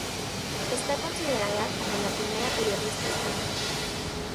Está considerada como "La primera periodista española".